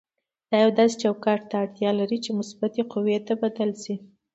دا یو داسې چوکاټ ته اړتیا لري چې مثبتې قوې ته بدل شي.